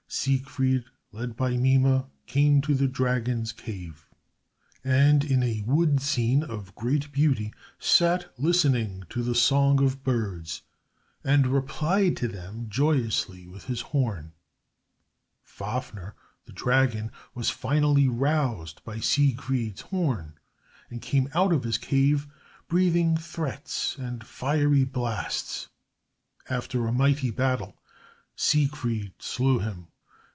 Siegfried, led by Mime, came to the dragon's cave, and, in a wood scene of great beauty, sat listening to the song of birds, and replied to them joyously with his horn. Fafner, the dragon, was finally roused by Siegfried's horn, and came out of his cave breathing threats and fiery blasts. After a mighty battle, Siegfried slew him.